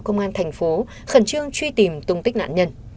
công an thành phố khẩn trương truy tìm tung tích nạn nhân